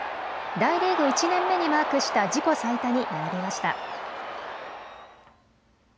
大リーグ１年目にマークした自己最多に並びました。